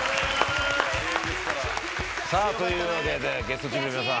さあというわけでゲストチームの皆さん。